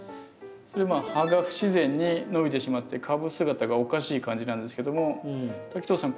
それまあ葉が不自然に伸びてしまって株姿がおかしい感じなんですけども滝藤さん